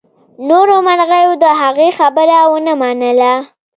نورو مرغیو د هغې خبره ونه منله.